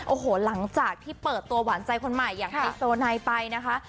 โอ้โหหลังจากที่เปิดตัวหวานใจคนใหม่อย่างไฮโซไนไปนะคะ